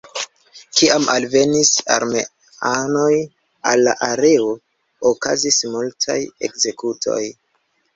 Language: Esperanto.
Kiam alvenis la armeanoj al la areo okazis multaj ekzekutoj.